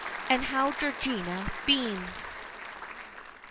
And how Georgina beamed!